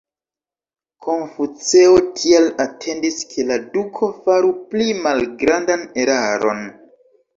Konfuceo tial atendis ke la duko faru pli malgrandan eraron.